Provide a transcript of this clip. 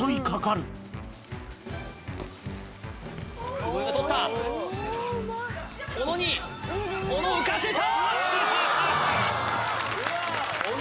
坪井がとった小野に小野浮かせた！